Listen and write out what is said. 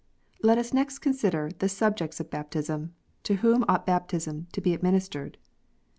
Let us next consider the subjects of baptism. To whom ought baptism to be administered